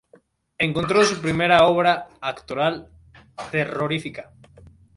Encontró su primera obra actoral "terrorífica".